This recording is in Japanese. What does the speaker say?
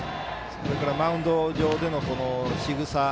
それからマウンド上でのしぐさ。